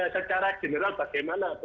secara general bagaimana